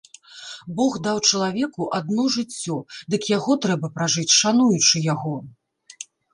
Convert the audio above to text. Бог даў чалавеку адно жыццё, дык яго трэба пражыць шануючы яго.